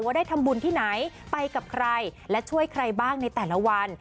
ได้ทำบุญที่ไหนไปกับใครและช่วยใครบ้างในแต่ละวัน